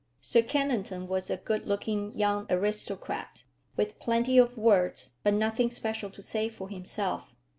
Sir Kennington was a good looking young aristocrat, with plenty of words, but nothing special to say for himself.